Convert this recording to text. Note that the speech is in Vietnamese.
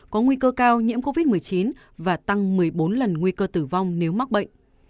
có nguy cơ cao nhiễm covid một mươi chín và tăng một mươi bốn lần nguy cơ tử vong nếu mắc bệnh